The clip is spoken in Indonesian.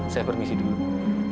saya permisi dulu